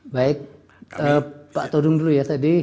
baik pak todung dulu ya tadi